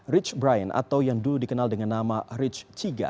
rich brian atau yang dulu dikenal dengan nama rich chiga